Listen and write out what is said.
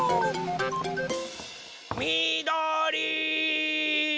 みどり！